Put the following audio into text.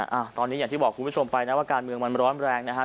อ่าตอนนี้อย่างที่บอกคุณผู้ชมไปนะว่าการเมืองมันร้อนแรงนะครับ